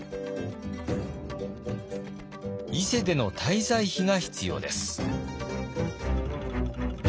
伊勢での滞在費が必要です。